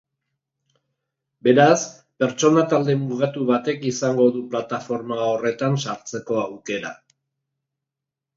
Beraz, pertsona talde mugatu batek izango du plataforma horretan sartzeko aukera.